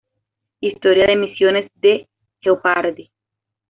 Historia de emisiones de Jeopardy!